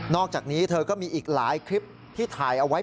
อกจากนี้เธอก็มีอีกหลายคลิปที่ถ่ายเอาไว้